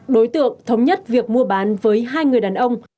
đối tượng thống nhất việc mua bán với hai người đàn ông